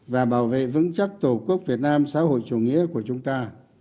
và bảo vệ vững chắc tổ quốc việt nam xã hội chủ nghĩa của chúng ta